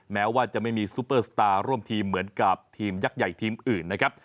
แม้ว่าจะไม่มีซูเปอร์สตาร์ร่วมทีมเหมือนกับทีมยักษ์ใหญ่ทีมอื่นนะครับ